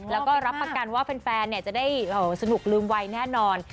แล้วก็รับประกันว่าแฟนจะได้สนุกลืมวัยแน่นอน